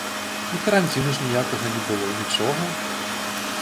І каранціну ж ніякага не было, нічога.